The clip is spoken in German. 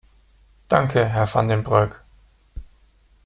Danke, Herr Van den Broek.